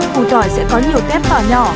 củ tỏi sẽ có nhiều kép tỏa nhỏ